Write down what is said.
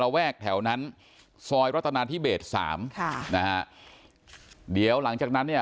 แวกแถวนั้นซอยรัตนาธิเบสสามค่ะนะฮะเดี๋ยวหลังจากนั้นเนี่ย